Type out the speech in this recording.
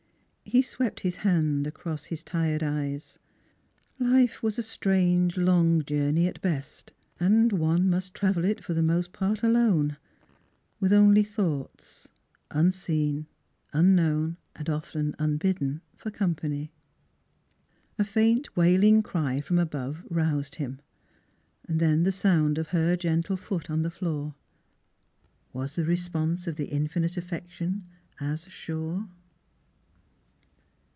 He swept his hand across his tired eyes. Life was a strange, long journey, at best, and one must travel it, for the most part, alone, with only thoughts 126 NEIGHBORS unseen, unknown, and often unbidden for company. A faint, wailing cry from above roused him. Then the sound of her gentle foot on the floor. Was the response of the Infinite Affection as sure?